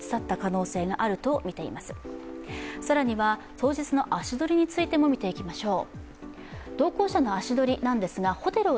当日の足取りについても見ていきましょう。